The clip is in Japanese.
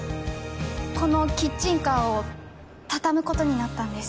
このキッチンカーを畳むことになったんです。